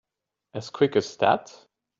As quick as that?